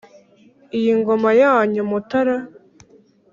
iyi ngoma yanyu mutara